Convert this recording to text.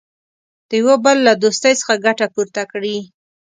د یوه بل له دوستۍ څخه ګټه پورته کړي.